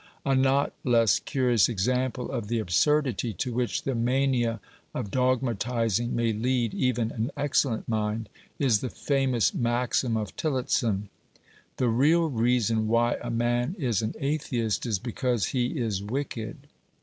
A not less curious example of the absurdity to which the mania of dogmatising may lead even an excellent mind, is the famous maxim of Tillotson :" The real reason why a man is an atheist is because he is v/icked."